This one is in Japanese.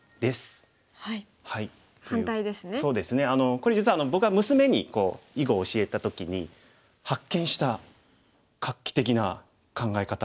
これ実は僕は娘に囲碁を教えた時に発見した画期的な考え方というか。